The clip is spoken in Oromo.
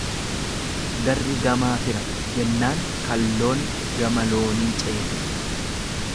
Garri gamaa fira, jennaan kalloon gama loonii ceete.